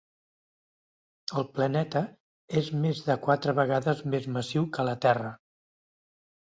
El planeta és més de quatre vegades més massiu que la Terra.